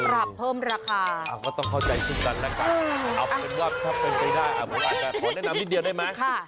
แล้วก็ต้องำรับเพิ่มราคา